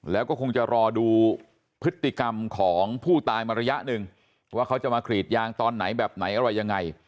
แล้วก็คงจะรอดูพฤติกรรมของผู้ตายมาระยะหนึ่งว่าเขาจะมากรีดยางตอนไหนแบบไหนอะไรยังไง